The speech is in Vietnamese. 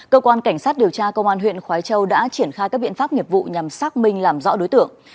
cơ quan cảnh sát điều tra công an huyện khói châu đã triển khai các biện pháp nghiệp vụ nhằm xác minh làm rõ đối tượng